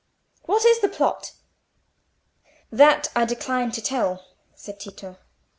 "What is the plot?" "That I decline to tell," said Tito.